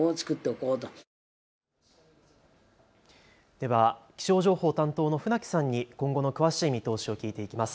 では気象情報担当の船木さんに今後の詳しい見通しを聞いていきます。